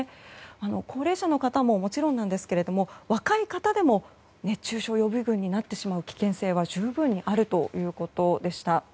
高齢者の方ももちろんですが若い方でも熱中症予備軍になってしまう危険性は十分にあるということでした。